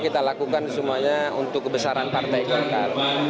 kita lakukan semuanya untuk kebesaran partai golkar